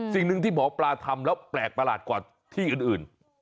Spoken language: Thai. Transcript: สิ่งหนึ่งที่หมอปลาทำแล้วแปลกประหลาดกว่าที่อื่น